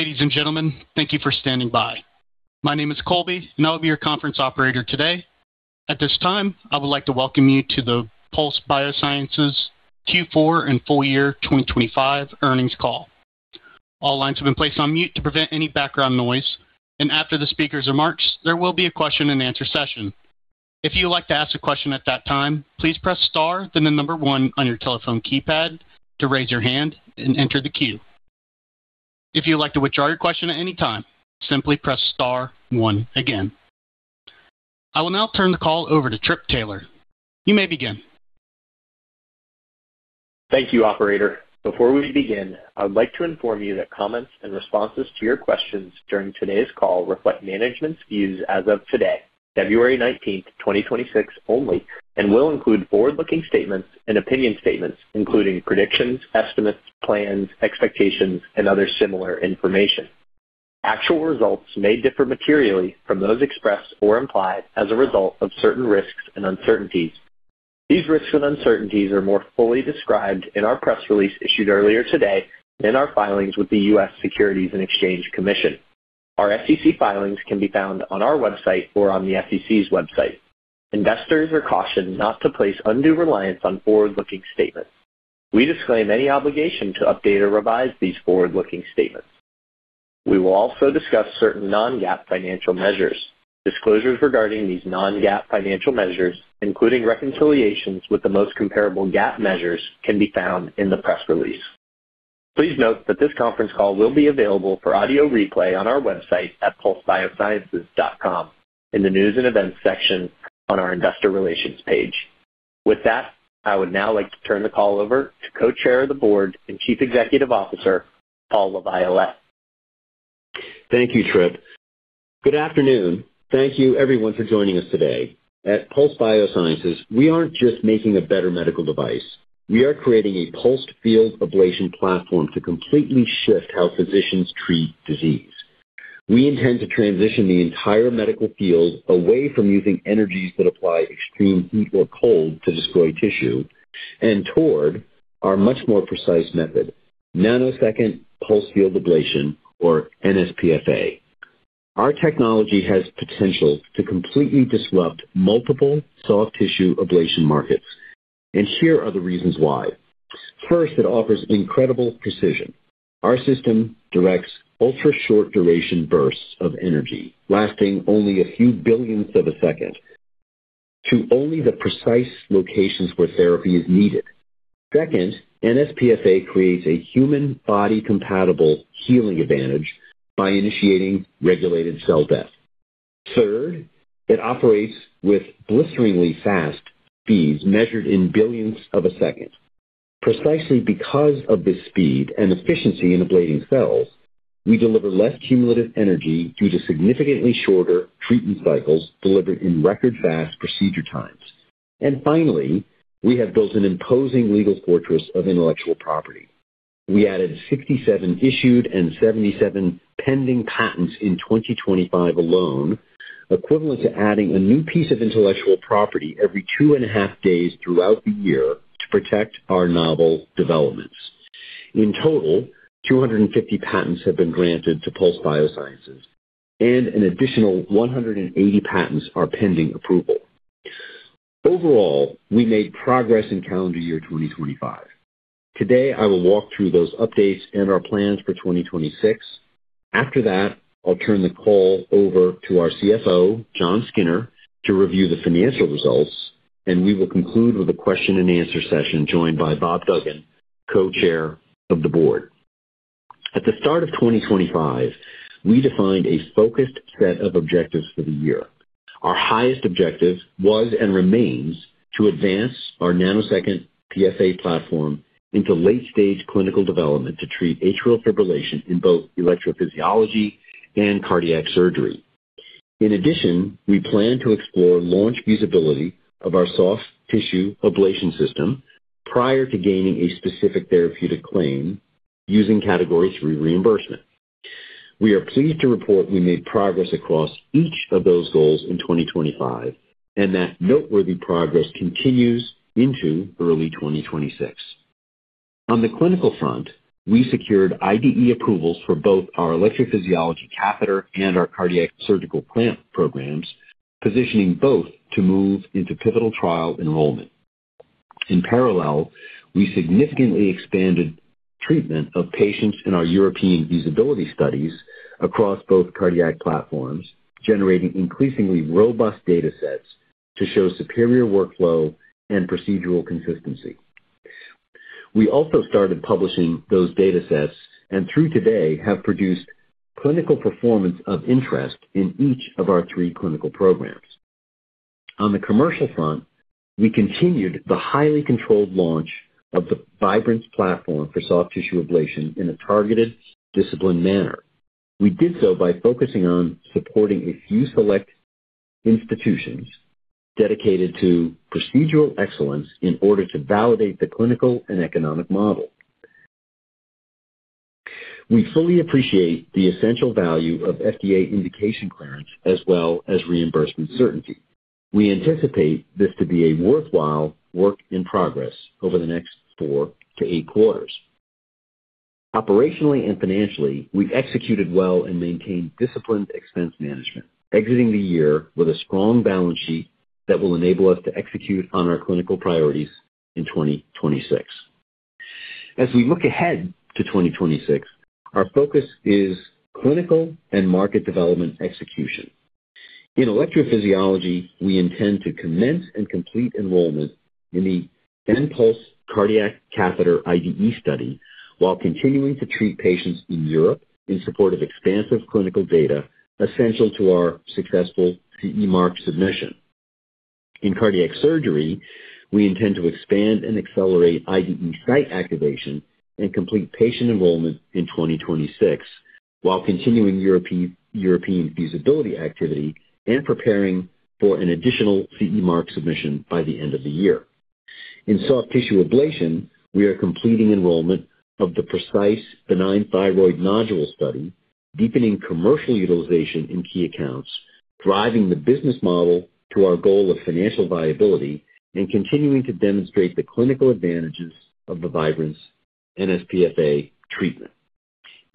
Ladies and gentlemen, thank you for standing by. My name is Colby, and I'll be your conference operator today. At this time, I would like to welcome you to the Pulse Biosciences Q4 and full year 2025 earnings call. All lines have been placed on mute to prevent any background noise, and after the speakers' remarks, there will be a question-and-answer session. If you'd like to ask a question at that time, please press star, then the number one on your telephone keypad to raise your hand and enter the queue. If you'd like to withdraw your question at any time, simply press star one again. I will now turn the call over to Trip Taylor. You may begin. Thank you, Operator. Before we begin, I would like to inform you that comments and responses to your questions during today's call reflect management's views as of today, 19th February, 2026 only, and will include forward-looking statements and opinion statements, including predictions, estimates, plans, expectations, and other similar information. Actual results may differ materially from those expressed or implied as a result of certain risks and uncertainties. These risks and uncertainties are more fully described in our press release issued earlier today in our filings with the U.S. Securities and Exchange Commission. Our SEC filings can be found on our website or on the SEC's website. Investors are cautioned not to place undue reliance on forward-looking statements. We disclaim any obligation to update or revise these forward-looking statements. We will also discuss certain non-GAAP financial measures. Disclosures regarding these non-GAAP financial measures, including reconciliations with the most comparable GAAP measures, can be found in the press release. Please note that this conference call will be available for audio replay on our website at pulsebiosciences.com in the News and Events section on our Investor Relations page. With that, I would now like to turn the call over to Co-Chair of the Board and Chief Executive Officer, Paul LaViolette. Thank you, Trip. Good afternoon. Thank you everyone for joining us today. At Pulse Biosciences, we aren't just making a better medical device, we are creating a pulsed field ablation platform to completely shift how physicians treat disease. We intend to transition the entire medical field away from using energies that apply extreme heat or cold to destroy tissue and toward our much more precise method, nanosecond pulsed field ablation, or NSPFA. Our technology has potential to completely disrupt multiple soft tissue ablation markets, and here are the reasons why. First, it offers incredible precision. Our system directs ultra-short duration bursts of energy, lasting only a few billionths of a second, to only the precise locations where therapy is needed. Second, NSPFA creates a human body-compatible healing advantage by initiating regulated cell death. Third, it operates with blisteringly fast speeds measured in billionths of a second. Precisely because of this speed and efficiency in ablating cells, we deliver less cumulative energy due to significantly shorter treatment cycles delivered in record fast procedure times. Finally, we have built an imposing legal fortress of intellectual property. We added 67 issued and 77 pending patents in 2025 alone, equivalent to adding a new piece of intellectual property every two and a half days throughout the year to protect our novel developments. In total, 250 patents have been granted to Pulse Biosciences and an additional 180 patents are pending approval. Overall, we made progress in calendar year 2025. Today, I will walk through those updates and our plans for 2026. After that, I'll turn the call over to our CFO, Jon Skinner, to review the financial results, and we will conclude with a question-and-answer session, joined by Bob Duggan, Co-Chair of the Board. At the start of 2025, we defined a focused set of objectives for the year. Our highest objective was, and remains, to advance our nanosecond PFA platform into late-stage clinical development to treat atrial fibrillation in both electrophysiology and cardiac surgery. In addition, we plan to explore launch feasibility of our soft tissue ablation system prior to gaining a specific therapeutic claim using Category three reimbursement. We are pleased to report we made progress across each of those goals in 2025, and that noteworthy progress continues into early 2026. On the clinical front, we secured IDE approvals for both our electrophysiology catheter and our cardiac surgical clamp programs, positioning both to move into pivotal trial enrollment. In parallel, we significantly expanded treatment of patients in our European feasibility studies across both cardiac platforms, generating increasingly robust datasets to show superior workflow and procedural consistency. We also started publishing those datasets and through today, have produced clinical performance of interest in each of our three clinical programs. On the commercial front, we continued the highly controlled launch of the Vibrance platform for soft tissue ablation in a targeted, disciplined manner. We did so by focusing on supporting a few select institutions dedicated to procedural excellence in order to validate the clinical and economic model. We fully appreciate the essential value of FDA indication clearance as well as reimbursement certainty.... We anticipate this to be a worthwhile work in progress over the next 4-8 quarters. Operationally and financially, we've executed well and maintained disciplined expense management, exiting the year with a strong balance sheet that will enable us to execute on our clinical priorities in 2026. As we look ahead to 2026, our focus is clinical and market development execution. In electrophysiology, we intend to commence and complete enrollment in the nPulse Cardiac Catheter IDE study, while continuing to treat patients in Europe in support of expansive clinical data essential to our successful CE Mark submission. In cardiac surgery, we intend to expand and accelerate IDE site activation and complete patient enrollment in 2026, while continuing European feasibility activity and preparing for an additional CE Mark submission by the end of the year. In soft tissue ablation, we are completing enrollment of the PRECISE benign thyroid nodule study, deepening commercial utilization in key accounts, driving the business model to our goal of financial viability, and continuing to demonstrate the clinical advantages of the Vibrance nsPFA treatment.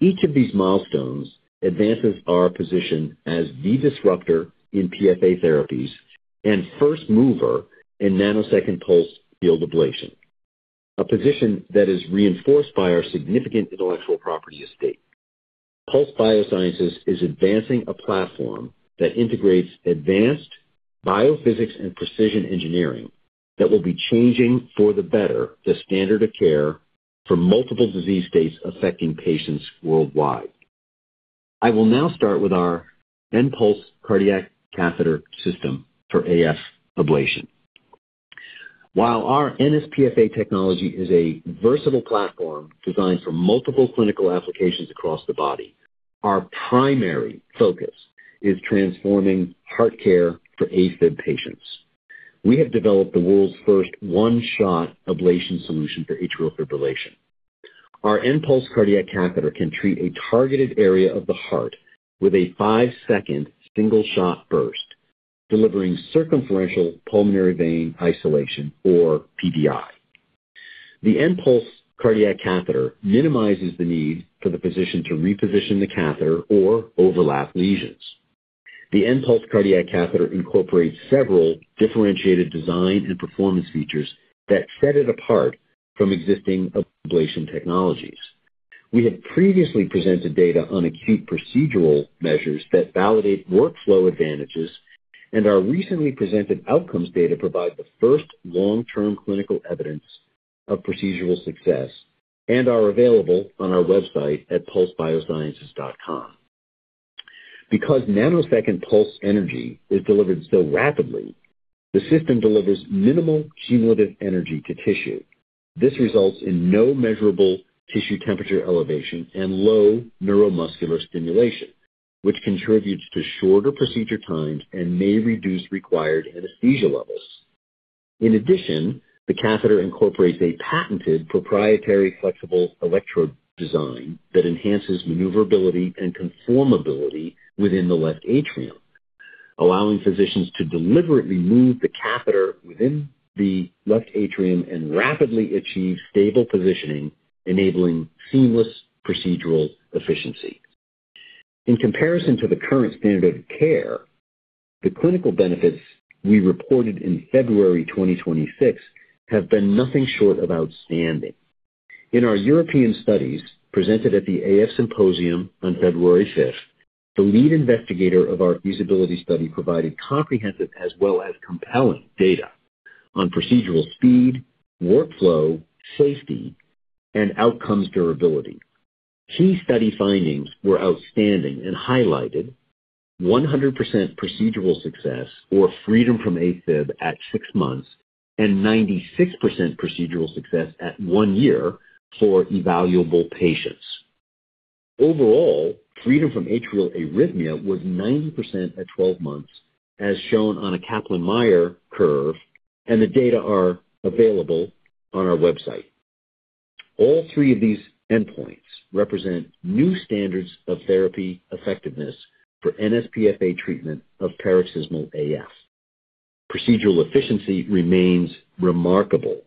Each of these milestones advances our position as the disruptor in PFA therapies and first mover in nanosecond pulsed field ablation, a position that is reinforced by our significant intellectual property estate. Pulse Biosciences is advancing a platform that integrates advanced biophysics and precision engineering that will be changing, for the better, the standard of care for multiple disease states affecting patients worldwide. I will now start with our nPulse Cardiac Catheter system for AF ablation. While our nsPFA technology is a versatile platform designed for multiple clinical applications across the body, our primary focus is transforming heart care for AFib patients. We have developed the world's first one-shot ablation solution for atrial fibrillation. Our nPulse cardiac catheter can treat a targeted area of the heart with a five second single-shot burst, delivering circumferential pulmonary vein isolation, or PVI. The nPulse cardiac catheter minimizes the need for the physician to reposition the catheter or overlap lesions. The nPulse cardiac catheter incorporates several differentiated design and performance features that set it apart from existing ablation technologies. We have previously presented data on acute procedural measures that validate workflow advantages, and our recently presented outcomes data provide the first long-term clinical evidence of procedural success and are available on our website at pulsebiosciences.com. Because nanosecond pulse energy is delivered so rapidly, the system delivers minimal cumulative energy to tissue. This results in no measurable tissue temperature elevation and low neuromuscular stimulation, which contributes to shorter procedure times and may reduce required anesthesia levels. In addition, the catheter incorporates a patented proprietary flexible electrode design that enhances maneuverability and conformability within the left atrium, allowing physicians to deliberately move the catheter within the left atrium and rapidly achieve stable positioning, enabling seamless procedural efficiency. In comparison to the current standard of care, the clinical benefits we reported in February 2026 have been nothing short of outstanding. In our European studies, presented at the AF Symposium on 5th February, the lead investigator of our feasibility study provided comprehensive as well as compelling data on procedural speed, workflow, safety, and outcomes durability. Key study findings were outstanding and highlighted 100% procedural success or freedom from AFib at six months, and 96% procedural success at 1 year for evaluable patients. Overall, freedom from atrial arrhythmia was 90% at 12 months, as shown on a Kaplan-Meier curve, and the data are available on our website. All three of these endpoints represent new standards of therapy effectiveness for nsPFA treatment of paroxysmal AF. Procedural efficiency remains remarkable.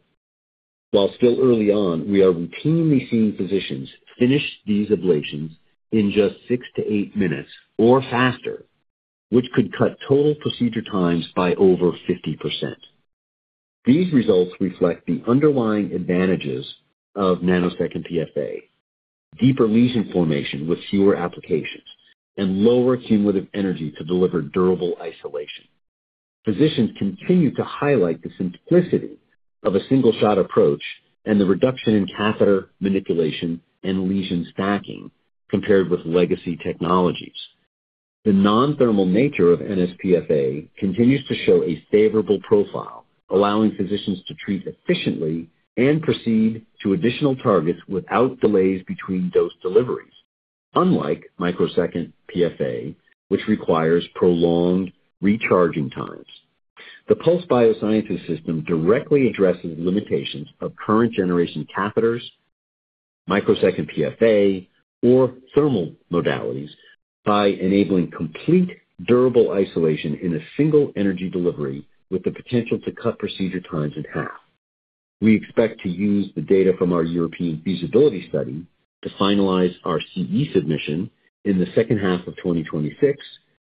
While still early on, we are routinely seeing physicians finish these ablations in just 6-8 minutes or faster, which could cut total procedure times by over 50%. These results reflect the underlying advantages of nanosecond PFA, deeper lesion formation with fewer applications, and lower cumulative energy to deliver durable isolation. Physicians continue to highlight the simplicity of a single-shot approach and the reduction in catheter manipulation and lesion stacking compared with legacy technologies. The non-thermal nature of nsPFA continues to show a favorable profile, allowing physicians to treat efficiently and proceed to additional targets without delays between dose deliveries, unlike microsecond PFA, which requires prolonged recharging times. The Pulse Biosciences system directly addresses limitations of current generation catheters, microsecond PFA or thermal modalities by enabling complete durable isolation in a single energy delivery, with the potential to cut procedure times in half. We expect to use the data from our European feasibility study to finalize our CE submission in the second half of 2026,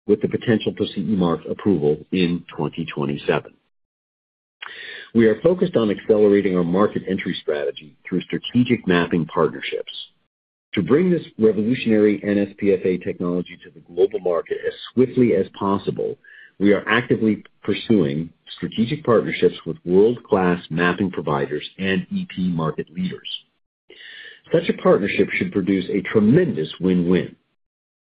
with the potential for CE mark approval in 2027. We are focused on accelerating our market entry strategy through strategic mapping partnerships. To bring this revolutionary nsPFA technology to the global market as swiftly as possible, we are actively pursuing strategic partnerships with world-class mapping providers and EP market leaders. Such a partnership should produce a tremendous win-win.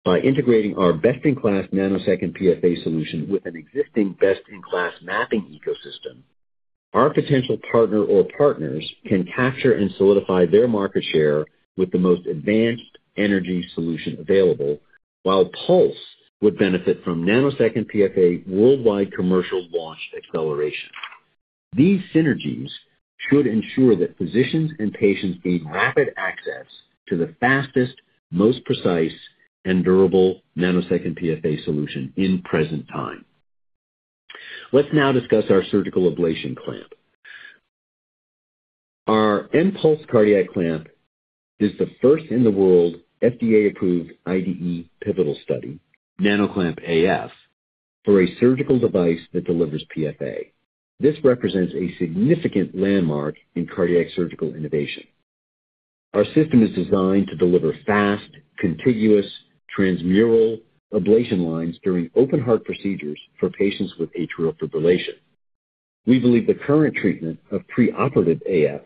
By integrating our best-in-class nanosecond PFA solution with an existing best-in-class mapping ecosystem, our potential partner or partners can capture and solidify their market share with the most advanced energy solution available, while Pulse would benefit from nanosecond PFA worldwide commercial launch acceleration. These synergies should ensure that physicians and patients gain rapid access to the fastest, most precise, and durable nanosecond PFA solution in present time. Let's now discuss our surgical ablation clamp. Our nPulse Cardiac Clamp is the first in the world FDA-approved IDE pivotal study, NanoClamp-AF, for a surgical device that delivers PFA. This represents a significant landmark in cardiac surgical innovation. Our system is designed to deliver fast, contiguous, transmural ablation lines during open heart procedures for patients with atrial fibrillation. We believe the current treatment of preoperative AF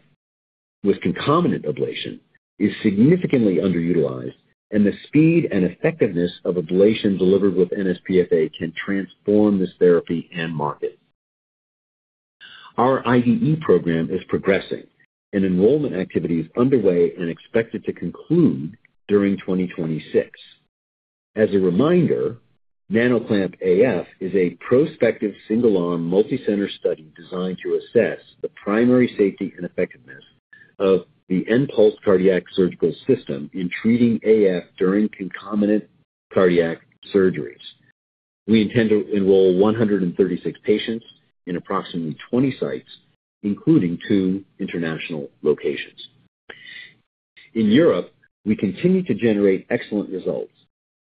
with concomitant ablation is significantly underutilized, and the speed and effectiveness of ablation delivered with nsPFA can transform this therapy and market. Our IDE program is progressing, and enrollment activity is underway and expected to conclude during 2026. As a reminder, NanoClamp-AF is a prospective, single-arm, multicenter study designed to assess the primary safety and effectiveness of the nPulse cardiac surgical system in treating AF during concomitant cardiac surgeries. We intend to enroll 136 patients in approximately 20 sites, including two international locations. In Europe, we continue to generate excellent results.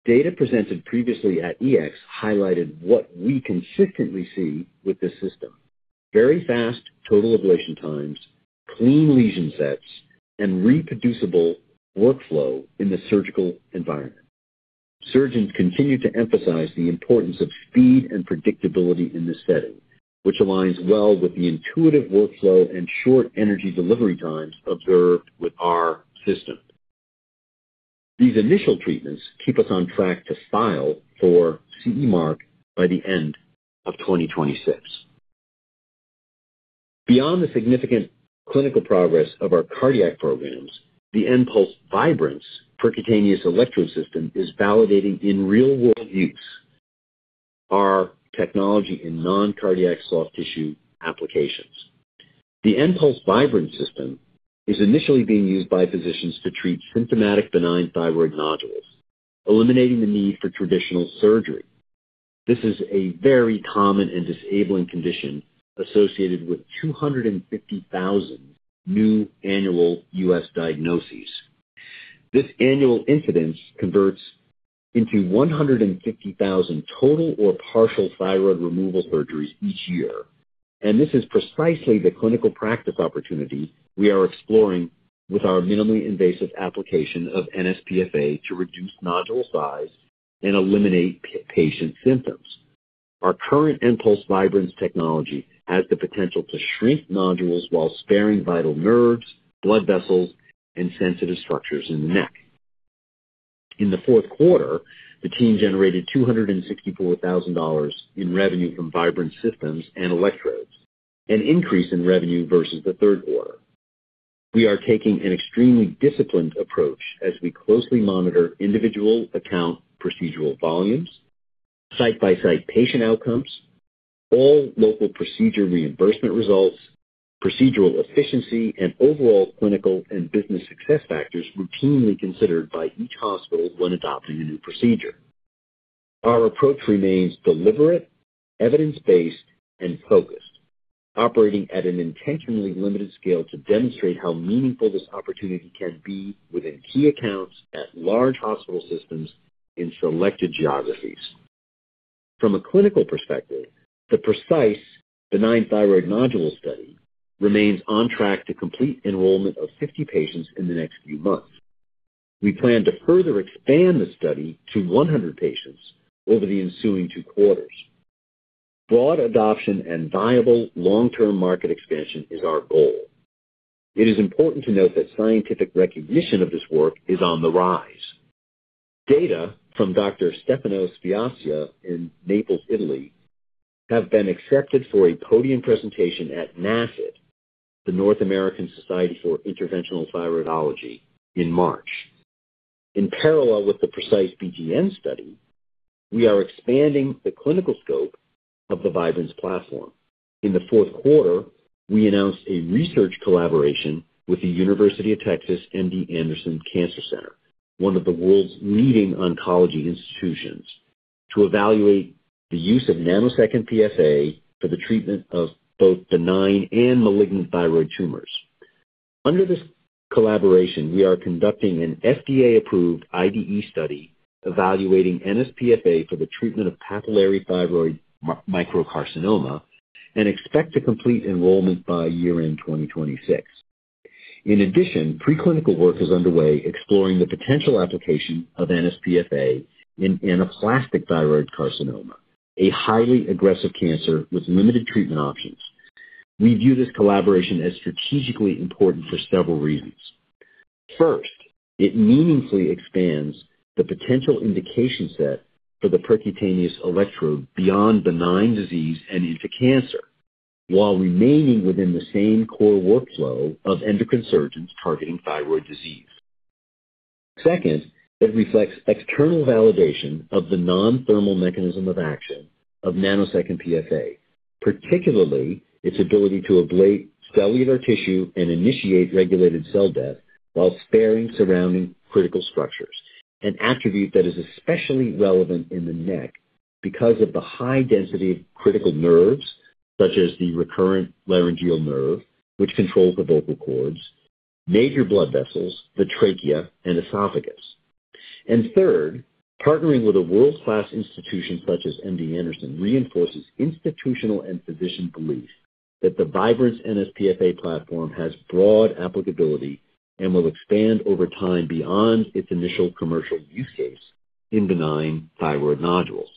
Data presented previously at EACTS highlighted what we consistently see with this system: very fast total ablation times, clean lesion sets, and reproducible workflow in the surgical environment. Surgeons continue to emphasize the importance of speed and predictability in this setting, which aligns well with the intuitive workflow and short energy delivery times observed with our system. These initial treatments keep us on track to file for CE Mark by the end of 2026. Beyond the significant clinical progress of our cardiac programs, the nPulse Vibrance percutaneous electrode system is validating, in real-world use, our technology in non-cardiac soft tissue applications. The nPulse Vibrance system is initially being used by physicians to treat symptomatic benign thyroid nodules, eliminating the need for traditional surgery. This is a very common and disabling condition associated with 250,000 new annual U.S. diagnoses. This annual incidence converts into 150,000 total or partial thyroid removal surgeries each year, and this is precisely the clinical practice opportunity we are exploring with our minimally invasive application of nsPFA to reduce nodule size and eliminate patient symptoms. Our current nPulse Vibrance technology has the potential to shrink nodules while sparing vital nerves, blood vessels, and sensitive structures in the neck. In the fourth quarter, the team generated $264,000 in revenue from Vibrance systems and electrodes, an increase in revenue versus the third quarter. We are taking an extremely disciplined approach as we closely monitor individual account procedural volumes, site-by-site patient outcomes, all local procedure reimbursement results, procedural efficiency, and overall clinical and business success factors routinely considered by each hospital when adopting a new procedure. Our approach remains deliberate, evidence-based, and focused, operating at an intentionally limited scale to demonstrate how meaningful this opportunity can be within key accounts at large hospital systems in selected geographies. From a clinical perspective, the precise benign thyroid nodule study remains on track to complete enrollment of 50 patients in the next few months. We plan to further expand the study to 100 patients over the ensuing two quarters. Broad adoption and viable long-term market expansion is our goal. It is important to note that scientific recognition of this work is on the rise. Data from Dr. Stefanos Viasia in Naples, Italy, have been accepted for a podium presentation at NASIT, the North American Society for Interventional Thyroidology, in March. In parallel with the PRECISE-BTN study, we are expanding the clinical scope of the Vibrance platform. In the fourth quarter, we announced a research collaboration with the University of Texas MD Anderson Cancer Center, one of the world's leading oncology institutions, to evaluate the use of nanosecond PFA for the treatment of both benign and malignant thyroid tumors. Under this collaboration, we are conducting an FDA-approved IDE study evaluating NSPFA for the treatment of papillary thyroid microcarcinoma and expect to complete enrollment by year-end, 2026. In addition, preclinical work is underway exploring the potential application of NSPFA in anaplastic thyroid carcinoma, a highly aggressive cancer with limited treatment options. We view this collaboration as strategically important for several reasons. First, it meaningfully expands the potential indication set for the percutaneous electrode beyond benign disease and into cancer, while remaining within the same core workflow of endocrine surgeons targeting thyroid disease. Second, it reflects external validation of the non-thermal mechanism of action of nanosecond PFA, particularly its ability to ablate cellular tissue and initiate regulated cell death while sparing surrounding critical structures, an attribute that is especially relevant in the neck because of the high density of critical nerves, such as the recurrent laryngeal nerve, which controls the vocal cords, major blood vessels, the trachea, and esophagus. Third, partnering with a world-class institution such as MD Anderson reinforces institutional and physician belief that the Vibrance nsPFA platform has broad applicability and will expand over time beyond its initial commercial use case in benign thyroid nodules.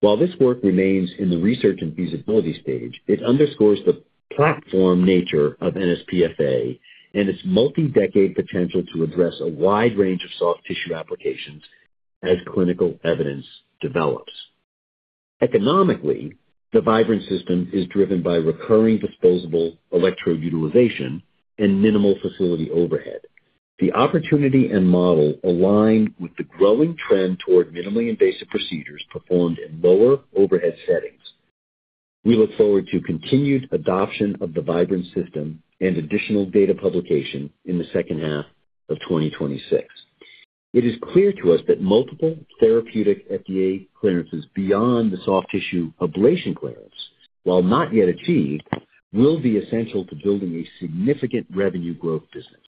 While this work remains in the research and feasibility stage, it underscores the platform nature of nsPFA and its multi-decade potential to address a wide range of soft tissue applications as clinical evidence develops. Economically, the Vibrance system is driven by recurring disposable electrode utilization and minimal facility overhead. The opportunity and model align with the growing trend toward minimally invasive procedures performed in lower overhead settings. We look forward to continued adoption of the Vibrance system and additional data publication in the second half of 2026. It is clear to us that multiple therapeutic FDA clearances beyond the soft tissue ablation clearance, while not yet achieved, will be essential to building a significant revenue growth business.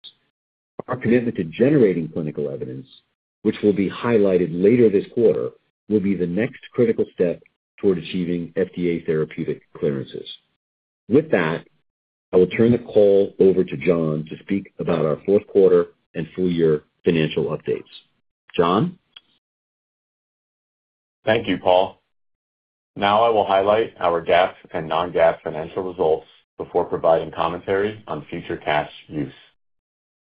Our commitment to generating clinical evidence, which will be highlighted later this quarter, will be the next critical step toward achieving FDA therapeutic clearances. With that, I will turn the call over to Jon to speak about our fourth quarter and full-year financial updates. Jon? Thank you, Paul. Now I will highlight our GAAP and non-GAAP financial results before providing commentary on future cash use.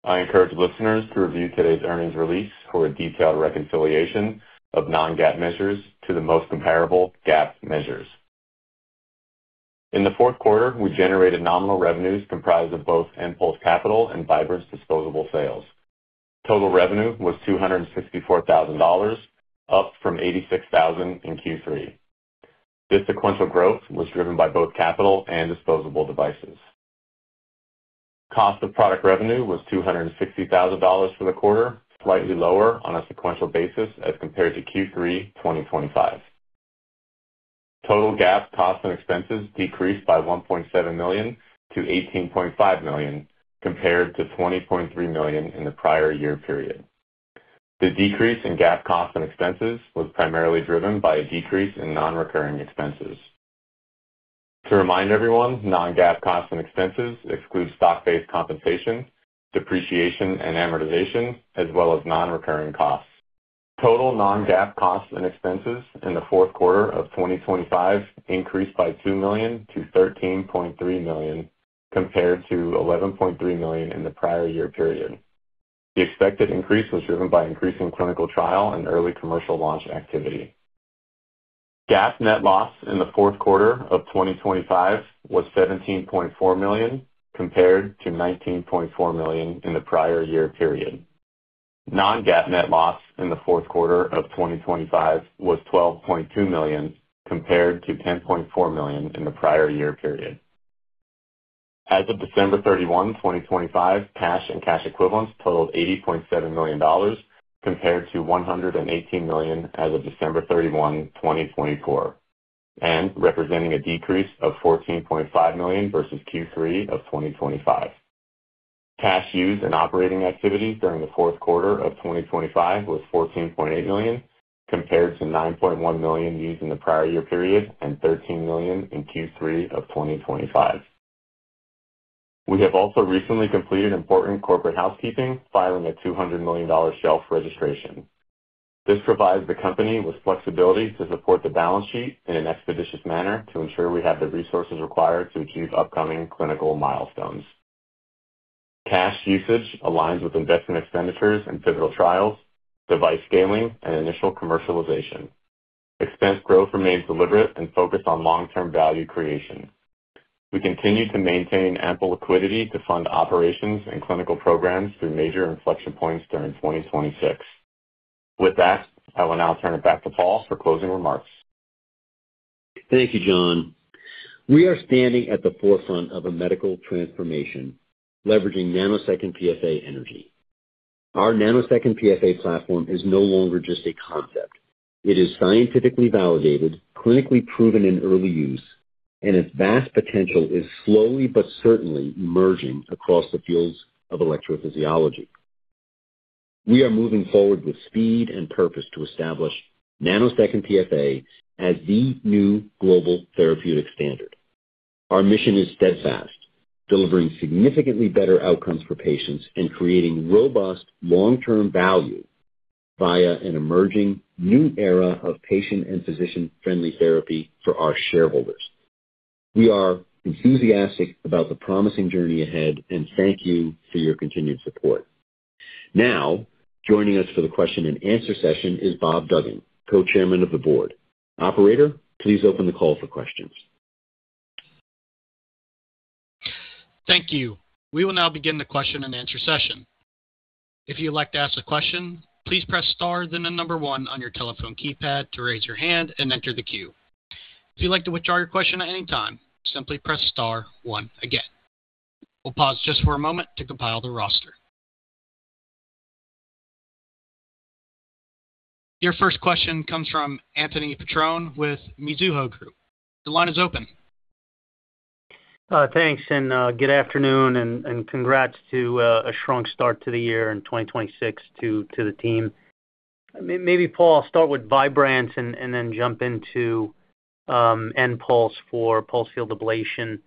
I encourage listeners to review today's earnings release for a detailed reconciliation of non-GAAP measures to the most comparable GAAP measures. In the fourth quarter, we generated nominal revenues comprised of both nPulse capital and Vibrance disposable sales. Total revenue was $264,000, up from $86,000 in Q3. This sequential growth was driven by both capital and disposable devices. Cost of product revenue was $260,000 for the quarter, slightly lower on a sequential basis as compared to Q3 2025. Total GAAP costs and expenses decreased by $1.7 million to $18.5 million, compared to $20.3 million in the prior year period. The decrease in GAAP costs and expenses was primarily driven by a decrease in non-recurring expenses. To remind everyone, non-GAAP costs and expenses exclude stock-based compensation, depreciation, and amortization, as well as non-recurring costs. Total non-GAAP costs and expenses in the fourth quarter of 2025 increased by $2 million to $13.3 million, compared to $11.3 million in the prior year period. The expected increase was driven by increasing clinical trial and early commercial launch activity. GAAP net loss in the fourth quarter of 2025 was $17.4 million, compared to $19.4 million in the prior year period. Non-GAAP net loss in the fourth quarter of 2025 was $12.2 million, compared to $10.4 million in the prior year period. As of 31st December, 2025, cash and cash equivalents totaled $80.7 million, compared to $118 million as of 31st December, 2024, and representing a decrease of $14.5 million versus Q3 of 2025. Cash used in operating activities during the fourth quarter of 2025 was $14.8 million, compared to $9.1 million used in the prior year period and $13 million in Q3 of 2025. We have also recently completed important corporate housekeeping, filing a $200 million shelf registration. This provides the company with flexibility to support the balance sheet in an expeditious manner to ensure we have the resources required to achieve upcoming clinical milestones. Cash usage aligns with investment expenditures and pivotal trials, device scaling, and initial commercialization. Expense growth remains deliberate and focused on long-term value creation.... We continue to maintain ample liquidity to fund operations and clinical programs through major inflection points during 2026. With that, I will now turn it back to Paul for closing remarks. Thank you, Jon. We are standing at the forefront of a medical transformation, leveraging nanosecond PFA energy. Our nanosecond PFA platform is no longer just a concept. It is scientifically validated, clinically proven in early use, and its vast potential is slowly but certainly emerging across the fields of electrophysiology. We are moving forward with speed and purpose to establish nanosecond PFA as the new global therapeutic standard. Our mission is steadfast, delivering significantly better outcomes for patients and creating robust long-term value via an emerging new era of patient and physician-friendly therapy for our shareholders. We are enthusiastic about the promising journey ahead, and thank you for your continued support. Now, joining us for the question and answer session is Bob Duggan, co-chairman of the board. Operator, please open the call for questions. Thank you. We will now begin the question-and-answer session. If you'd like to ask a question, please press star, then 1 on your telephone keypad to raise your hand and enter the queue. If you'd like to withdraw your question at any time, simply Press Star one again. We'll pause just for a moment to compile the roster. Your first question comes from Anthony Petrone with Mizuho Group. The line is open. Thanks, and good afternoon, and congrats to a strong start to the year in 2026 to the team. Maybe, Paul, I'll start with Vibrance and then jump into nPulse for pulsed field ablation.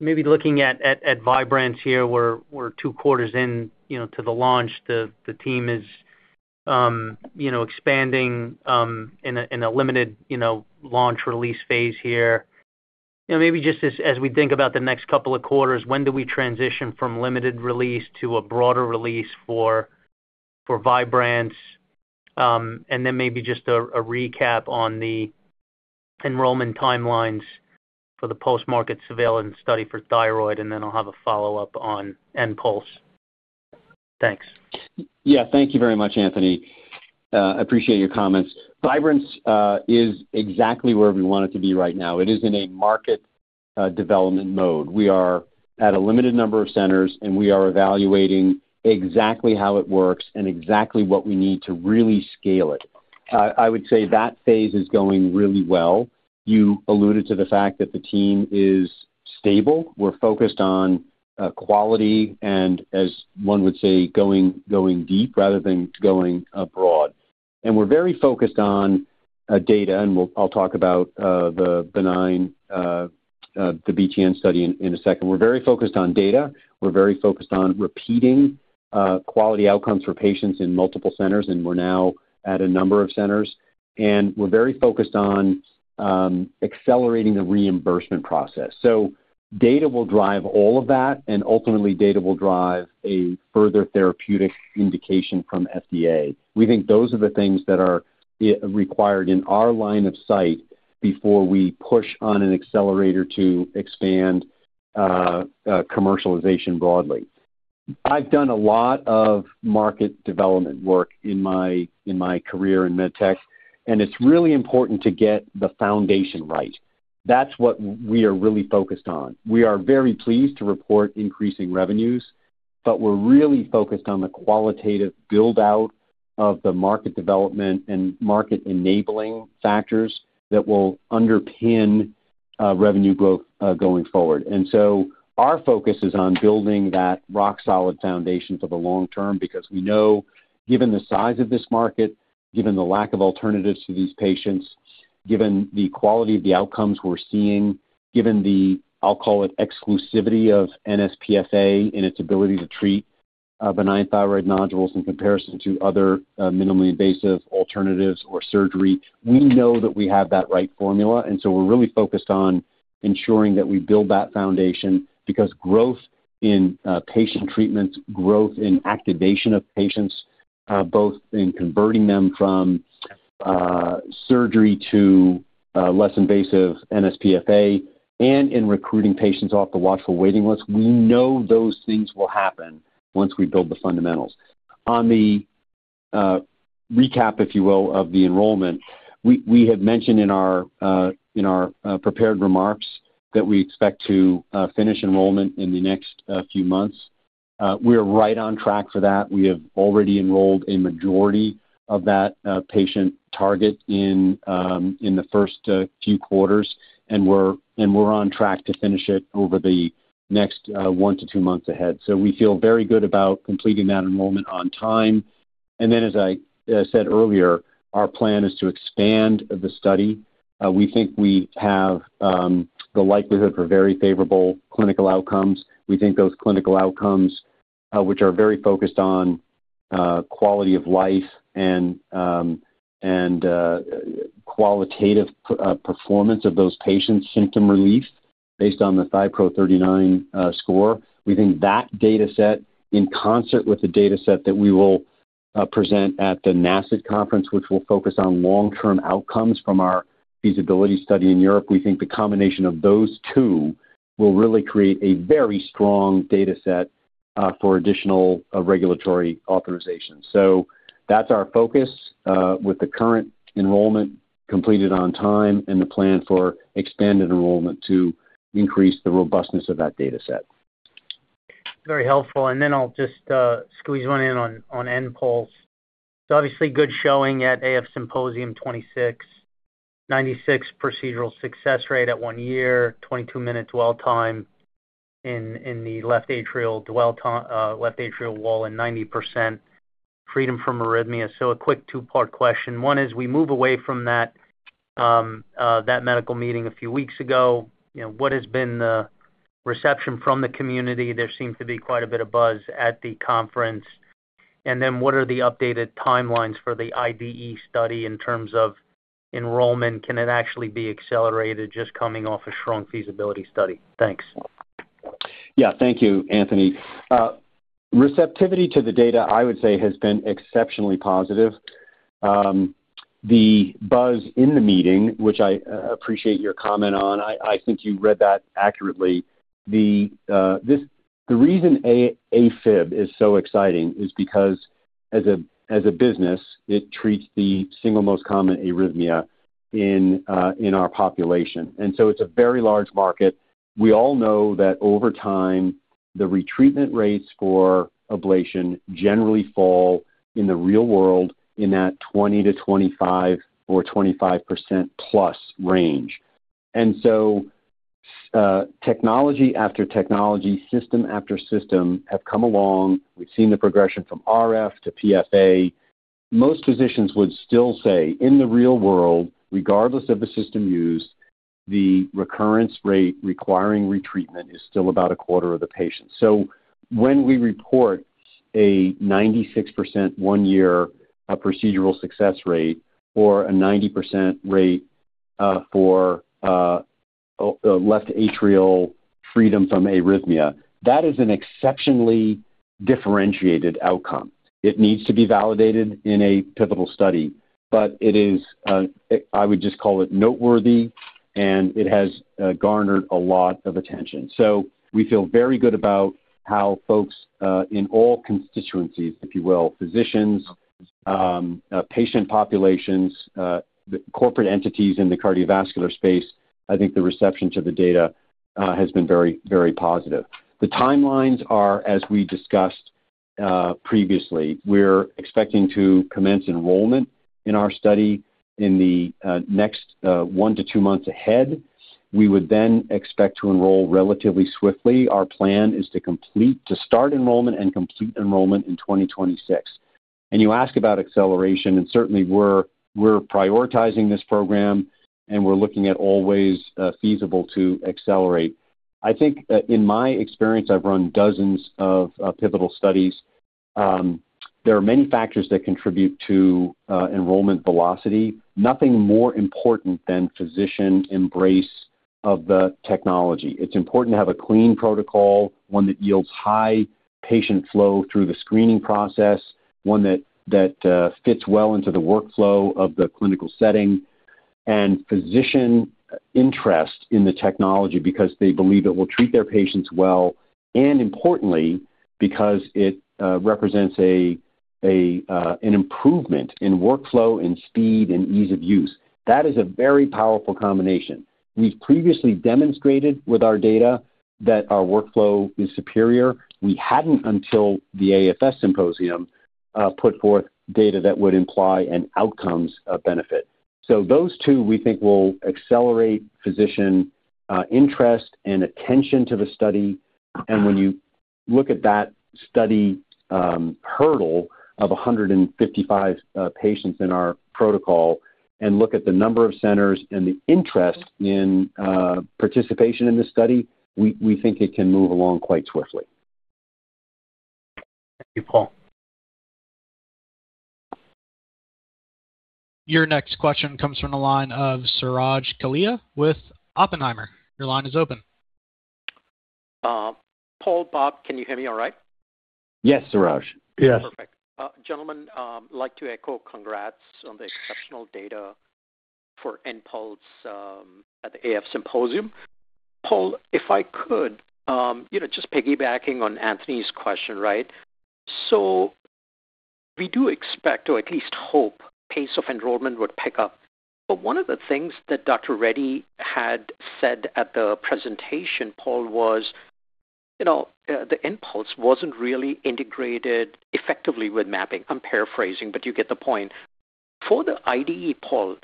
Maybe looking at Vibrance here, we're two quarters in, you know, to the launch. The team is, you know, expanding in a limited launch release phase here. You know, maybe just as we think about the next couple of quarters, when do we transition from limited release to a broader release for Vibrance? And then maybe just a recap on the enrollment timelines for the post-market surveillance study for thyroid, and then I'll have a follow-up on nPulse. Thanks. Yeah. Thank you very much, Anthony. Appreciate your comments. Vibrance is exactly where we want it to be right now. It is in a market development mode. We are at a limited number of centers, and we are evaluating exactly how it works and exactly what we need to really scale it. I would say that phase is going really well. You alluded to the fact that the team is stable. We're focused on quality and, as one would say, going, going deep rather than going broad. And we're very focused on data, and I'll talk about the benign, the BTN study in a second. We're very focused on data. We're very focused on repeating quality outcomes for patients in multiple centers, and we're now at a number of centers, and we're very focused on accelerating the reimbursement process. So data will drive all of that, and ultimately, data will drive a further therapeutic indication from FDA. We think those are the things that are required in our line of sight before we push on an accelerator to expand commercialization broadly. I've done a lot of market development work in my, in my career in med tech, and it's really important to get the foundation right. That's what we are really focused on. We are very pleased to report increasing revenues, but we're really focused on the qualitative build-out of the market development and market-enabling factors that will underpin revenue growth going forward. Our focus is on building that rock-solid foundation for the long term because we know, given the size of this market, given the lack of alternatives to these patients, given the quality of the outcomes we're seeing, given the, I'll call it, exclusivity of nsPFA and its ability to treat benign thyroid nodules in comparison to other minimally invasive alternatives or surgery, we know that we have that right formula, and so we're really focused on ensuring that we build that foundation. Because growth in patient treatments, growth in activation of patients, both in converting them from surgery to less invasive nsPFA and in recruiting patients off the watchful waiting list, we know those things will happen once we build the fundamentals. On the recap, if you will, of the enrollment, we had mentioned in our prepared remarks that we expect to finish enrollment in the next few months. We are right on track for that. We have already enrolled a majority of that patient target in the first few quarters, and we're on track to finish it over the next 1-2 months ahead. So we feel very good about completing that enrollment on time. And then, as I said earlier, our plan is to expand the study. We think we have the likelihood for very favorable clinical outcomes. We think those clinical outcomes, which are very focused on quality of life and qualitative performance of those patients' symptom relief based on the ThyPRO-39 score. We think that dataset, in concert with the dataset that we will present at the NASIT conference, which will focus on long-term outcomes from our feasibility study in Europe. We think the combination of those two will really create a very strong data set for additional regulatory authorizations. So that's our focus, with the current enrollment completed on time and the plan for expanded enrollment to increase the robustness of that data set. Very helpful. Then I'll just squeeze one in on nPulse. So obviously, good showing at AF Symposium 26, 96% procedural success rate at one year, 22-minute dwell time in the left atrial wall, and 90% freedom from arrhythmia. So a quick two part question. 1 is, we move away from that medical meeting a few weeks ago. You know, what has been the reception from the community? There seemed to be quite a bit of buzz at the conference. And then what are the updated timelines for the IDE study in terms of enrollment? Can it actually be accelerated just coming off a strong feasibility study? Thanks. Yeah. Thank you, Anthony. Receptivity to the data, I would say, has been exceptionally positive. The buzz in the meeting, which I appreciate your comment on, I think you read that accurately. The reason AFib is so exciting is because as a business, it treats the single most common arrhythmia in our population, and so it's a very large market. We all know that over time, the retreatment rates for ablation generally fall in the real world in that 20%-25% or +25% range. Technology after technology, system after system have come along. We've seen the progression from RF to PFA. Most physicians would still say, in the real world, regardless of the system used, the recurrence rate requiring retreatment is still about a quarter of the patient. So when we report a 96% one-year procedural success rate or a 90% rate for left atrial freedom from arrhythmia, that is an exceptionally differentiated outcome. It needs to be validated in a pivotal study, but it is, I would just call it noteworthy, and it has garnered a lot of attention. So we feel very good about how folks in all constituencies, if you will, physicians, patient populations, the corporate entities in the cardiovascular space, I think the reception to the data has been very, very positive. The timelines are as we discussed previously. We're expecting to commence enrollment in our study in the next 1-2 months ahead. We would then expect to enroll relatively swiftly. Our plan is to start enrollment and complete enrollment in 2026. You ask about acceleration, and certainly we're prioritizing this program, and we're looking at all ways feasible to accelerate. I think, in my experience, I've run dozens of pivotal studies. There are many factors that contribute to enrollment velocity. Nothing more important than physician embrace of the technology. It's important to have a clean protocol, one that yields high patient flow through the screening process, one that fits well into the workflow of the clinical setting and physician interest in the technology because they believe it will treat their patients well, and importantly, because it represents an improvement in workflow and speed and ease of use. That is a very powerful combination. We've previously demonstrated with our data that our workflow is superior. We hadn't, until the AF Symposium, put forth data that would imply an outcomes benefit. So those two, we think, will accelerate physician, interest and attention to the study. And when you look at that study, hurdle of 155 patients in our protocol and look at the number of centers and the interest in, participation in this study, we think it can move along quite swiftly. Thank you, Paul. Your next question comes from the line of Suraj Kalia with Oppenheimer. Your line is open. Paul, Bob, can you hear me all right? Yes, Suraj. Yes. Perfect. Gentlemen, I'd like to echo congrats on the exceptional data for nPulse, at the AF Symposium. Paul, if I could, you know, just piggybacking on Anthony's question, right? So we do expect, or at least hope, pace of enrollment would pick up, but one of the things that Dr. Reddy had said at the presentation, Paul, was, you know, the nPulse wasn't really integrated effectively with mapping. I'm paraphrasing, but you get the point. For the IDE, Paul,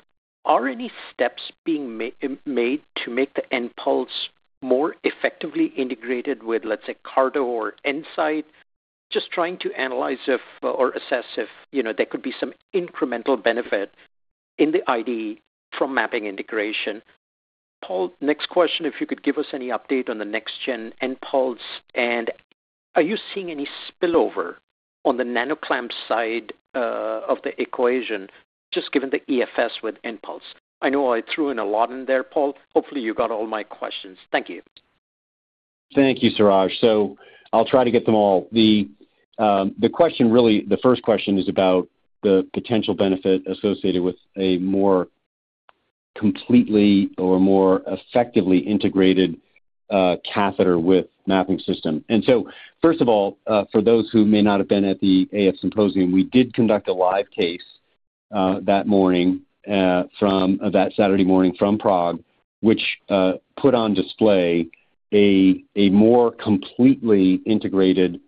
are any steps being made to make the nPulse more effectively integrated with, let's say, CARTO or EnSite? Just trying to analyze if or assess if, you know, there could be some incremental benefit in the IDE from mapping integration. Paul, next question, if you could give us any update on the next-gen nPulse, and are you seeing any spillover on the nano-clamp side of the equation, just given the EFS with nPulse? I know I threw in a lot in there, Paul. Hopefully, you got all my questions. Thank you.... Thank you, Suraj. So I'll try to get them all. The question really, the first question is about the potential benefit associated with a more completely or more effectively integrated catheter with mapping system. And so first of all, for those who may not have been at the AF Symposium, we did conduct a live case that morning, that Saturday morning from Prague, which put on display a more completely integrated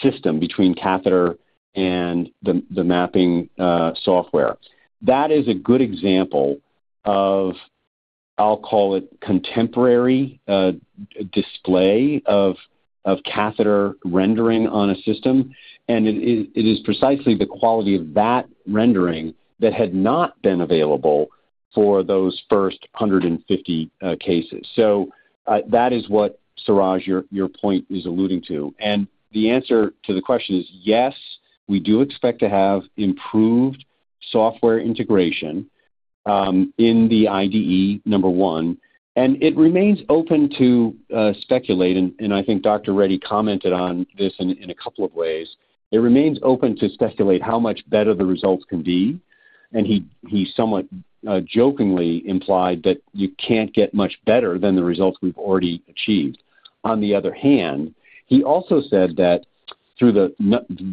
system between catheter and the mapping software. That is a good example of, I'll call it, contemporary display of catheter rendering on a system, and it is precisely the quality of that rendering that had not been available for those first 150 cases. So that is what, Suraj, your point is alluding to. The answer to the question is yes, we do expect to have improved software integration in the IDE, number one, and it remains open to speculate, and I think Dr. Reddy commented on this in a couple of ways. It remains open to speculate how much better the results can be, and he somewhat jokingly implied that you can't get much better than the results we've already achieved. On the other hand, he also said that through the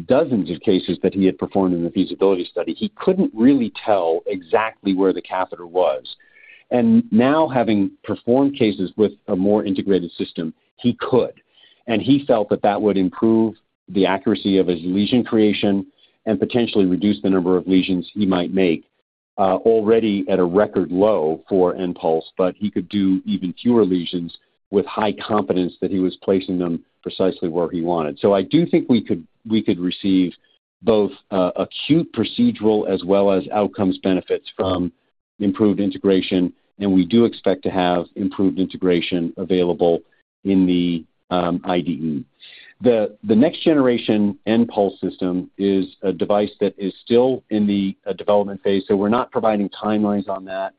dozens of cases that he had performed in the feasibility study, he couldn't really tell exactly where the catheter was. Now, having performed cases with a more integrated system, he could, and he felt that that would improve the accuracy of his lesion creation and potentially reduce the number of lesions he might make, already at a record low for nPulse, but he could do even fewer lesions with high confidence that he was placing them precisely where he wanted. So I do think we could, we could receive both, acute procedural as well as outcomes benefits from improved integration, and we do expect to have improved integration available in the, IDE. The, the next generation nPulse system is a device that is still in the, development phase, so we're not providing timelines on that.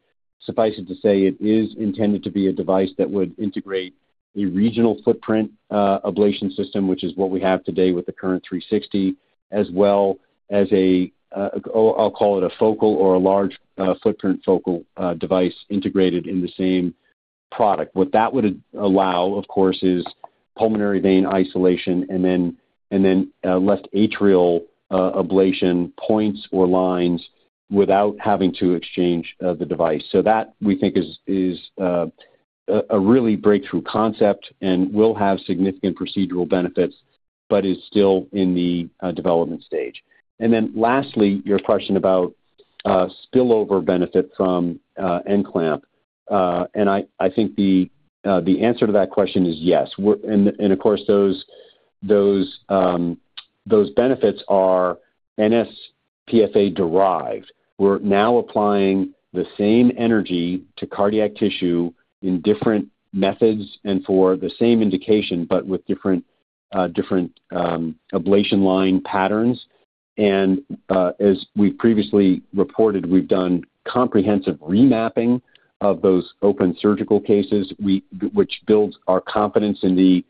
Suffice it to say, it is intended to be a device that would integrate a regional footprint ablation system, which is what we have today with the current 360, as well as a, I'll call it a focal or a large footprint focal device integrated in the same product. What that would allow, of course, is pulmonary vein isolation and then left atrial ablation points or lines without having to exchange the device. So that, we think, is a really breakthrough concept and will have significant procedural benefits but is still in the development stage. And then lastly, your question about spillover benefit from nClamp. And I think the answer to that question is yes. We're... And of course, those benefits are nsPFA derived. We're now applying the same energy to cardiac tissue in different methods and for the same indication, but with different ablation line patterns. As we've previously reported, we've done comprehensive remapping of those open surgical cases, which builds our confidence in the,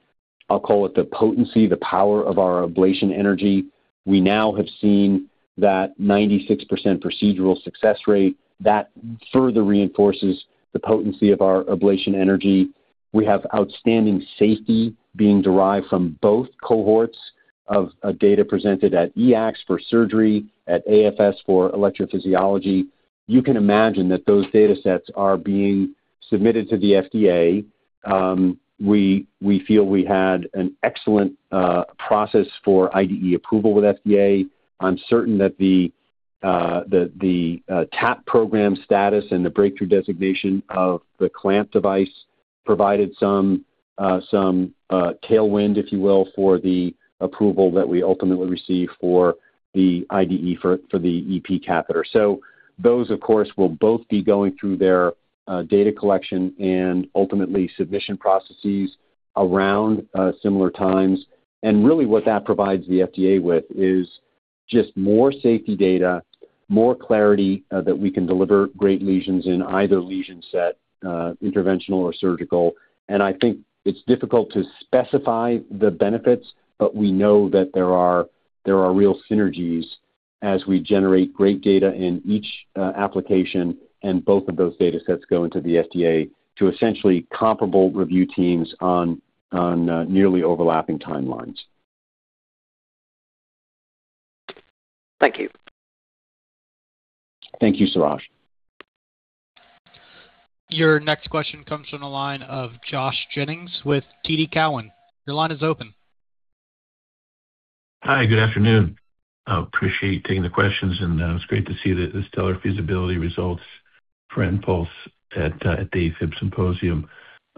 I'll call it, the potency, the power of our ablation energy. We now have seen that 96% procedural success rate. That further reinforces the potency of our ablation energy. We have outstanding safety being derived from both cohorts of data presented at EACTS for surgery, at AF Symposium for electrophysiology. You can imagine that those data sets are being submitted to the FDA. We feel we had an excellent process for IDE approval with FDA. I'm certain that the TAP program status and the breakthrough designation of the clamp device provided some tailwind, if you will, for the approval that we ultimately receive for the IDE for the EP catheter. So those, of course, will both be going through their data collection and ultimately submission processes around similar times. And really what that provides the FDA with is just more safety data, more clarity that we can deliver great lesions in either lesion set, interventional or surgical. And I think it's difficult to specify the benefits, but we know that there are real synergies as we generate great data in each application, and both of those data sets go into the FDA to essentially comparable review teams on nearly overlapping timelines. Thank you. Thank you, Suraj. Your next question comes from the line of Josh Jennings with TD Cowen. Your line is open. Hi, good afternoon. I appreciate you taking the questions, and it's great to see the stellar feasibility results for nPulse at the AF Symposium.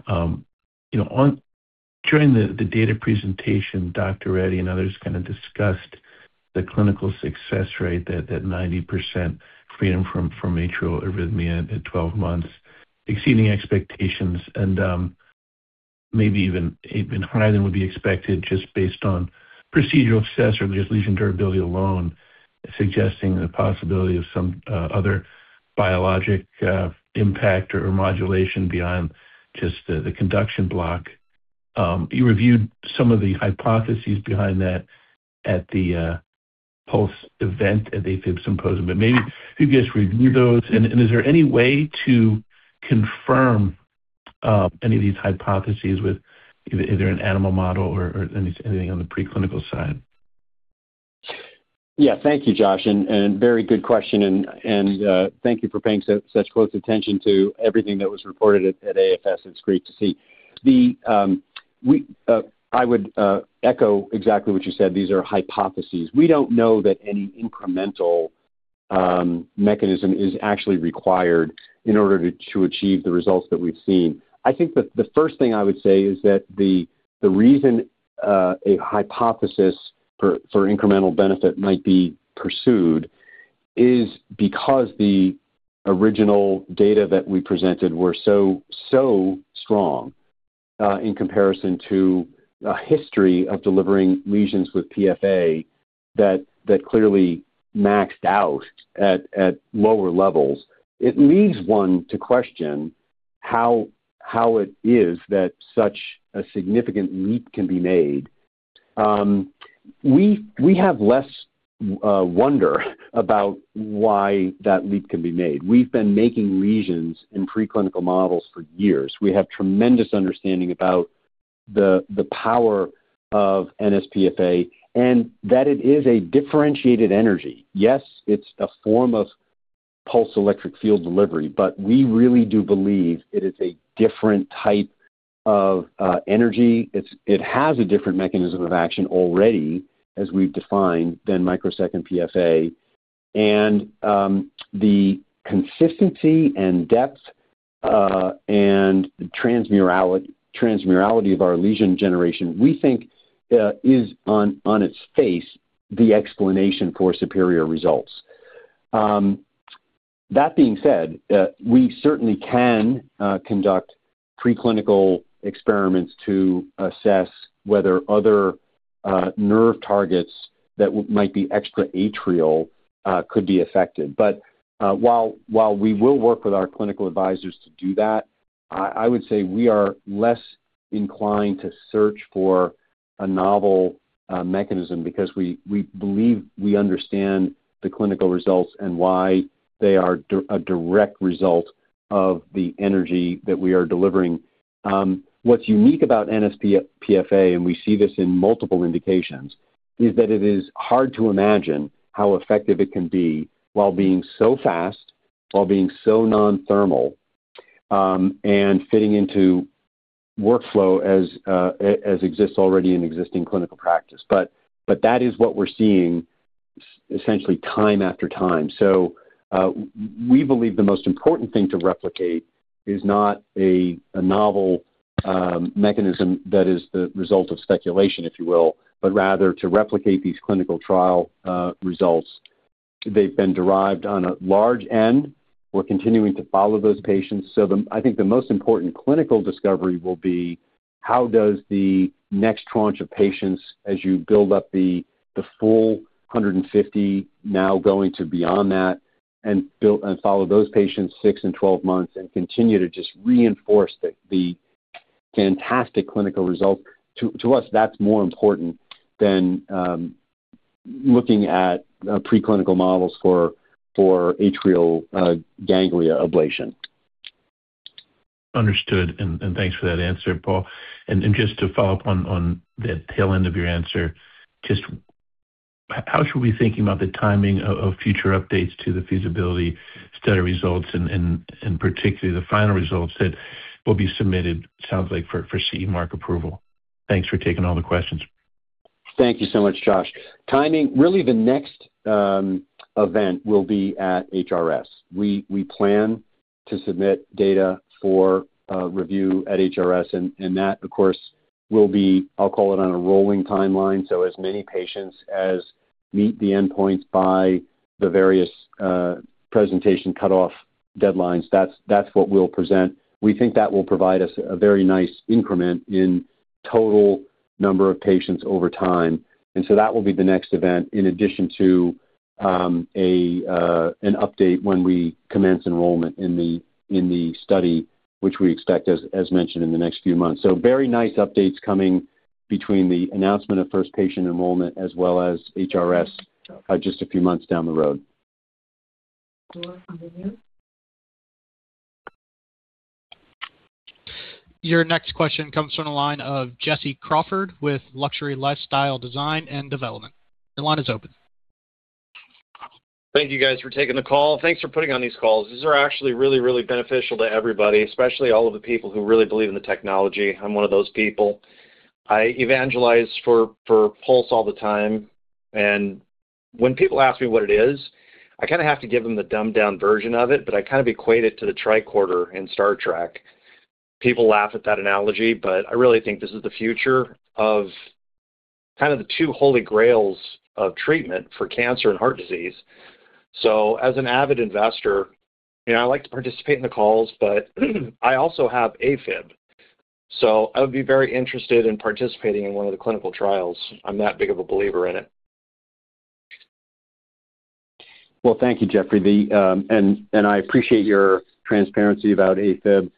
During the data presentation, Dr. Reddy and others kind of discussed the clinical success rate, 90% freedom from atrial arrhythmia at 12 months, exceeding expectations and maybe even higher than would be expected just based on procedural success or just lesion durability alone, suggesting the possibility of some other biologic impact or modulation beyond just the conduction block. You reviewed some of the hypotheses behind that at the Pulse event at the AF Symposium, but maybe could you just review those? And is there any way to confirm any of these hypotheses with either an animal model or anything on the preclinical side? Yeah. Thank you, Josh, and very good question. Thank you for paying such close attention to everything that was reported at AFS. It's great to see. I would echo exactly what you said. These are hypotheses. We don't know that any incremental mechanism is actually required in order to achieve the results that we've seen. I think the first thing I would say is that the reason a hypothesis for incremental benefit might be pursued is because the original data that we presented were so strong in comparison to a history of delivering lesions with PFA that clearly maxed out at lower levels. It leads one to question how it is that such a significant leap can be made. We have less wonder about why that leap can be made. We've been making lesions in preclinical models for years. We have tremendous understanding about the power of nSPFA and that it is a differentiated energy. Yes, it's a form of pulsed electric field delivery, but we really do believe it is a different type of energy. It has a different mechanism of action already, as we've defined, than microsecond PFA. The consistency and depth and the transmurality of our lesion generation, we think, is on its face, the explanation for superior results. That being said, we certainly can conduct preclinical experiments to assess whether other nerve targets that might be extra atrial could be affected. But, while, while we will work with our clinical advisors to do that, I, I would say we are less inclined to search for a novel, mechanism because we, we believe we understand the clinical results and why they are a direct result of the energy that we are delivering. What's unique about nsPFA, and we see this in multiple indications, is that it is hard to imagine how effective it can be while being so fast, while being so non-thermal, and fitting into workflow as, as exists already in existing clinical practice. But, but that is what we're seeing essentially time after time. So, we believe the most important thing to replicate is not a, a novel, mechanism that is the result of speculation, if you will, but rather to replicate these clinical trial results. They've been derived on a large end. We're continuing to follow those patients. So I think the most important clinical discovery will be, how does the next tranche of patients, as you build up the full 150 now going beyond that, and build and follow those patients 6 and 12 months and continue to just reinforce the fantastic clinical results. To us, that's more important than looking at preclinical models for atrial ganglia ablation. Understood. And thanks for that answer, Paul. And just to follow up on the tail end of your answer, just how should we be thinking about the timing of future updates to the feasibility study results and particularly the final results that will be submitted, sounds like for CE Mark approval? Thanks for taking all the questions. Thank you so much, Josh. Timing, really, the next event will be at HRS. We plan to submit data for review at HRS, and that, of course, will be, I'll call it, on a rolling timeline. So as many patients as meet the endpoint by the various presentation cut-off deadlines, that's what we'll present. We think that will provide us a very nice increment in total number of patients over time. And so that will be the next event, in addition to an update when we commence enrollment in the study, which we expect, as mentioned, in the next few months. So very nice updates coming between the announcement of first patient enrollment as well as HRS, just a few months down the road. Your next question comes from the line of Jesse Crawford with Luxury Lifestyle Design and Development. Your line is open. Thank you guys for taking the call. Thanks for putting on these calls. These are actually really, really beneficial to everybody, especially all of the people who really believe in the technology. I'm one of those people. I evangelize for Pulse all the time, and when people ask me what it is, I kinda have to give them the dumbed-down version of it, but I kind of equate it to the tricorder in Star Trek. People laugh at that analogy, but I really think this is the future of kind of the two holy grails of treatment for cancer and heart disease. So as an avid investor, you know, I like to participate in the calls, but I also have AFib. So I would be very interested in participating in one of the clinical trials. I'm that big of a believer in it. Well, thank you, Jeffrey. I appreciate your transparency about AFib.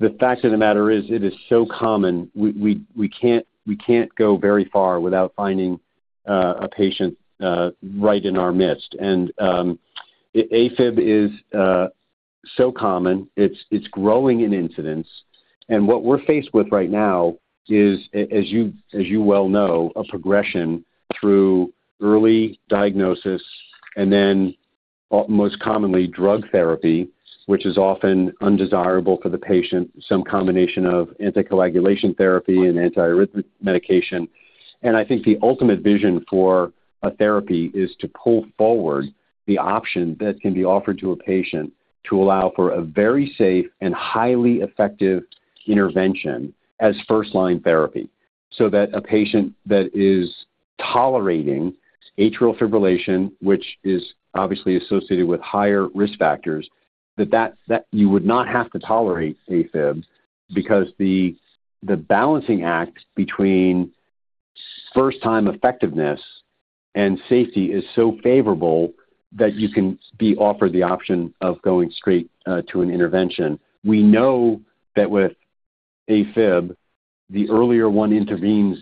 The fact of the matter is, it is so common, we can't go very far without finding a patient right in our midst. And AFib is so common. It's growing in incidence. And what we're faced with right now is, as you well know, a progression through early diagnosis and then, most commonly, drug therapy, which is often undesirable for the patient, some combination of anticoagulation therapy and antiarrhythmic medication. I think the ultimate vision for a therapy is to pull forward the option that can be offered to a patient to allow for a very safe and highly effective intervention as first-line therapy, so that a patient that is tolerating atrial fibrillation, which is obviously associated with higher risk factors, that you would not have to tolerate AFib because the balancing act between first-time effectiveness and safety is so favorable that you can be offered the option of going straight to an intervention. We know that with AFib, the earlier one intervenes,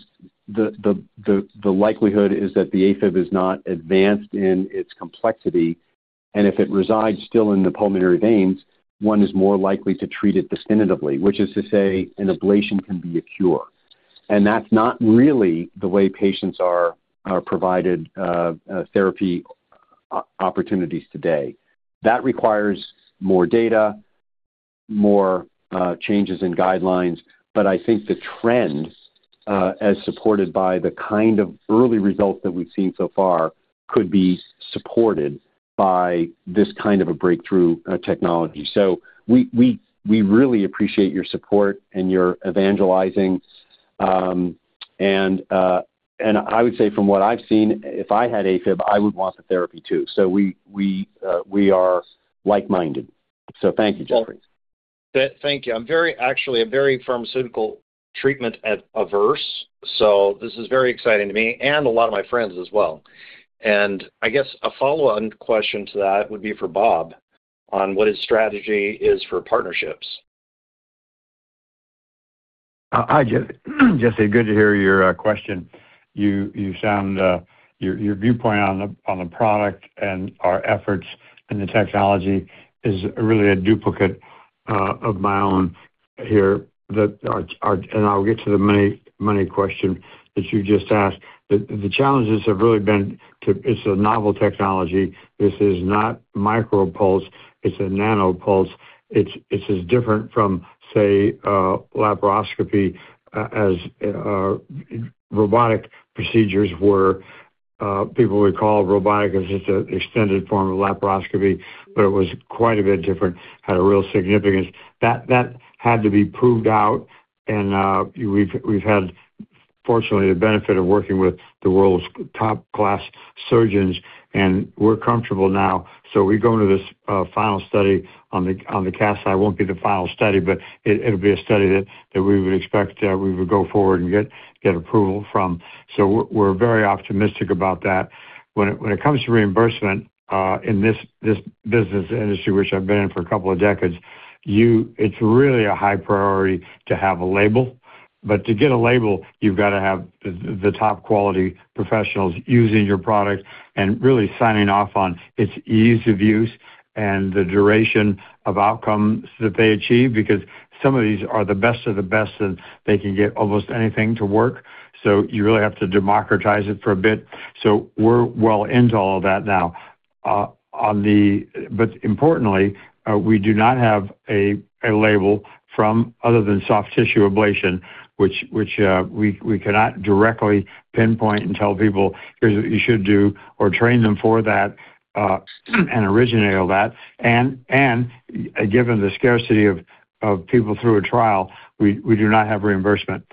the likelihood is that the AFib is not advanced in its complexity, and if it resides still in the pulmonary veins, one is more likely to treat it definitively, which is to say an ablation can be a cure. And that's not really the way patients are provided therapy opportunities today. That requires more data, more changes in guidelines, but I think the trend, as supported by the kind of early results that we've seen so far, could be supported by this kind of a breakthrough technology. So we really appreciate your support and your evangelizing. And I would say from what I've seen, if I had AFib, I would want the therapy, too. So we are like-minded. So thank you, Jeffrey. Thank you. Actually, I'm very averse to pharmaceutical treatment, so this is very exciting to me and a lot of my friends as well. I guess a follow-on question to that would be for Bob on what his strategy is for partnerships. Hi, Jeff. Jesse, good to hear your question. You sound, your viewpoint on the product and our efforts and the technology is really a duplicate of my own here, that our... And I'll get to the money question that you just asked. The challenges have really been to. It's a novel technology. This is not micropulse; it's a nanopulse. It is different from, say, laparoscopy, as robotic procedures were. People would call robotic as just an extended form of laparoscopy, but it was quite a bit different, had a real significance. That had to be proved out, and we've had, fortunately, the benefit of working with the world's top-class surgeons, and we're comfortable now. So we go into this final study on the clamp. It won't be the final study, but it'll be a study that we would expect, we would go forward and get approval from. So we're very optimistic about that. When it comes to reimbursement, in this business industry, which I've been in for a couple of decades, it's really a high priority to have a label. But to get a label, you've got to have the top quality professionals using your product and really signing off on its ease of use and the duration of outcomes that they achieve, because some of these are the best of the best, and they can get almost anything to work. So you really have to democratize it for a bit. So we're well into all of that now. On the... But importantly, we do not have a label from other than soft tissue ablation, which we cannot directly pinpoint and tell people, "Here's what you should do," or train them for that, and originate all that. Given the scarcity of people through a trial, we do not have reimbursement.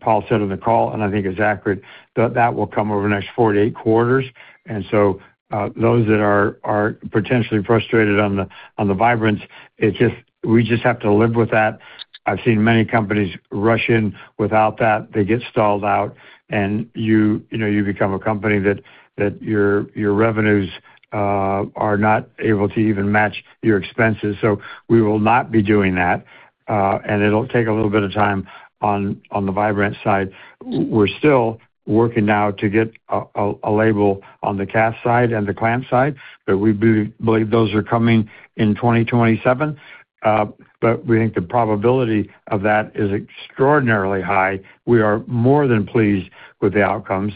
Paul said on the call, and I think it's accurate, that that will come over the next 4-8 quarters. So, those that are potentially frustrated on the Vibrance, it's just, we just have to live with that. I've seen many companies rush in without that. They get stalled out, and you know, you become a company that your revenues are not able to even match your expenses. So we will not be doing that, and it'll take a little bit of time on the Vibrance side. We're still working now to get a label on the catheter side and the clamp side, but we believe those are coming in 2027. But we think the probability of that is extraordinarily high. We are more than pleased with the outcomes.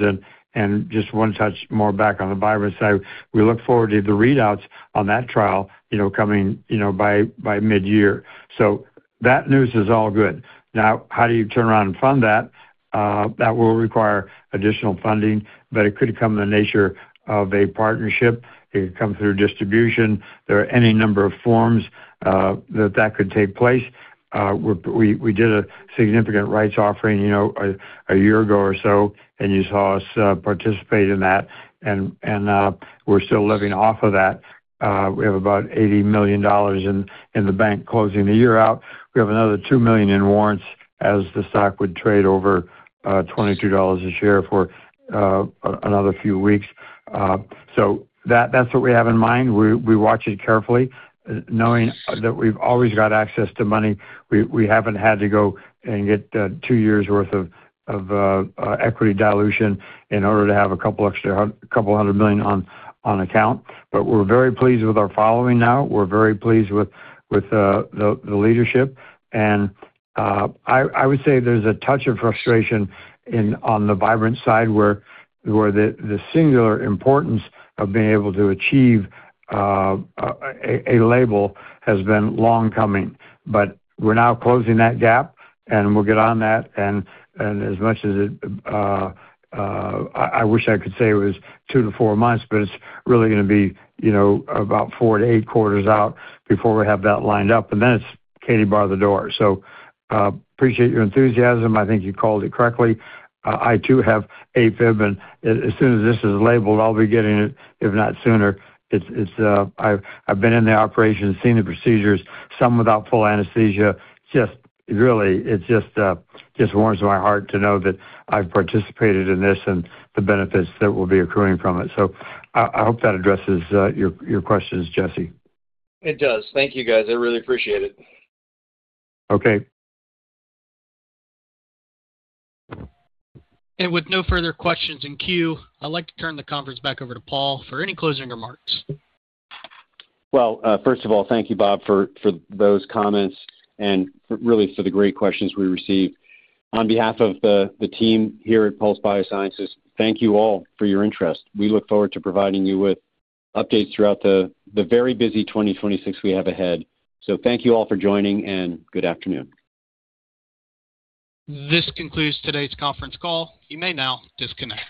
And just one touch more back on the Vibrance side, we look forward to the readouts on that trial, you know, coming, you know, by mid-year. So that news is all good. Now, how do you turn around and fund that? That will require additional funding, but it could come in the nature of a partnership. It could come through distribution, or any number of forms that could take place. We did a significant rights offering, you know, a year ago or so, and you saw us participate in that, and we're still living off of that. We have about $80 million in the bank closing the year out. We have another $2 million in warrants as the stock would trade over $22 a share for another few weeks. So that's what we have in mind. We watch it carefully, knowing that we've always got access to money. We haven't had to go and get two years' worth of equity dilution in order to have a couple extra hundred million on account. But we're very pleased with our following now. We're very pleased with the leadership. I would say there's a touch of frustration on the Vibrance side, where the singular importance of being able to achieve a label has been long coming. But we're now closing that gap. And we'll get on that, and as much as I wish I could say it was 2-4 months, but it's really gonna be, you know, about 4-8 quarters out before we have that lined up, and then it's Katie bar the door. So, appreciate your enthusiasm. I think you called it correctly. I too have AFib, and as soon as this is labeled, I'll be getting it, if not sooner. It's, I've been in the operation, seen the procedures, some without full anesthesia. Just really, it just, just warms my heart to know that I've participated in this and the benefits that will be accruing from it. So I, I hope that addresses, your, your questions, Jesse. It does. Thank you, guys. I really appreciate it. Okay. With no further questions in queue, I'd like to turn the conference back over to Paul for any closing remarks. Well, first of all, thank you, Bob, for those comments and really for the great questions we received. On behalf of the team here at Pulse Biosciences, thank you all for your interest. We look forward to providing you with updates throughout the very busy 2026 we have ahead. So thank you all for joining, and good afternoon. This concludes today's Conference Call. You may now disconnect.